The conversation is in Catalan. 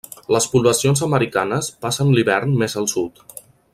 Les poblacions americanes passen l'hivern més al sud.